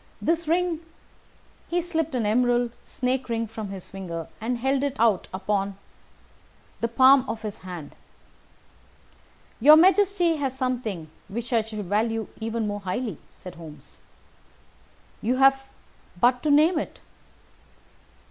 This ring " He slipped an emerald snake ring from his finger and held it out upon the palm of his hand. "Your Majesty has something which I should value even more highly," said Holmes. "You have but to name it."